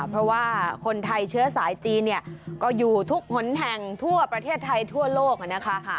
เพราะว่าคนไทยเชื้อสายจีนเนี่ยก็อยู่ทุกหนแห่งทั่วประเทศไทยทั่วโลกนะคะ